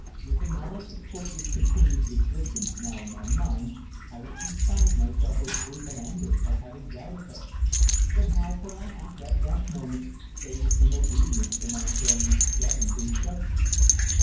With the knowledge of Courtenay's continued existence now in my mind, I was beside myself with grief and anger at having doubted her. But how could I act at that moment, save in obedience to my friend Jevons' instructions?